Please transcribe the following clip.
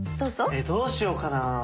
えどうしようかな。